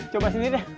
coba sendiri deh